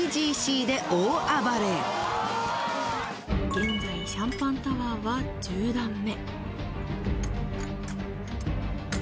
現在シャンパンタワーは１０段目。